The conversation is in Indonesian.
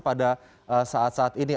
pada saat saat ini